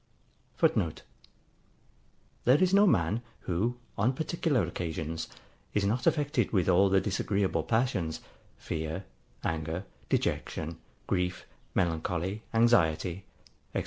[Footnote: There is no man, who, on particular occasions, is not affected with all the disagreeable passions, fear, anger, dejection, grief, melancholy, anxiety, &c.